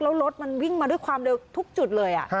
แล้วรถมันวิ่งมาด้วยความเร็วทุกจุดเลย